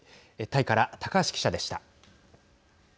タイから高橋記者でした。